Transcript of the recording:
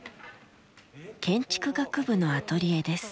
建築学部のアトリエです。